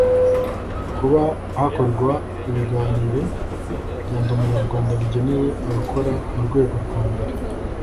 kuba hakorwa ibiganiro bya ndi umunyarwanda bigenewe abakora mu rwego rwambere